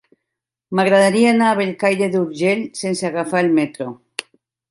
M'agradaria anar a Bellcaire d'Urgell sense agafar el metro.